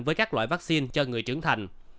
với các loại vaccine cho người trưởng thành